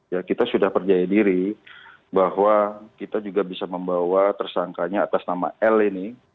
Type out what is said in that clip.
ya kita sudah percaya diri bahwa kita juga bisa membawa tersangkanya atas nama l ini